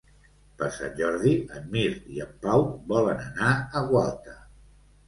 Per Sant Jordi en Mirt i en Pau volen anar a Gualta.